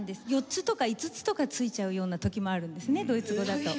４つとか５つとかついちゃうような時もあるんですねドイツ語だと。